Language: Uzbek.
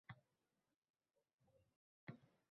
Sekin telefonga qaraydi hamma.